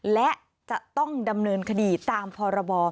และจะต้องดำเนินคดีตามพรบ